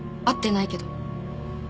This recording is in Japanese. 会ってないけど。